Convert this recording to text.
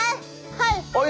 はい。